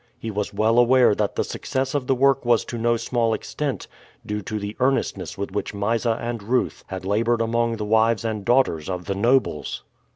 He was well aware that the success of the work was to no small extent due to the earnestness with which Mysa and Ruth had labored among the wives and daughters of the nobles.